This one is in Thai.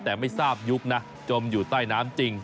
แต่ไม่ทราบยุคนะจมอยู่ใต้น้ำจริง